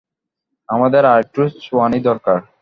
আমাদের আরেকটু চুয়ানি দরকার।